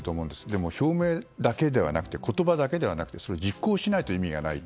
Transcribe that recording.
でも、表明だけじゃなくて言葉だけではなくてそれを実行しないと意味がない。